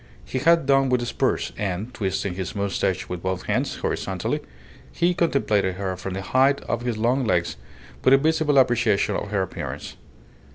He had done with the spurs, and, twisting his moustache with both hands, horizontally, he contemplated her from the height of his long legs with a visible appreciation of her appearance.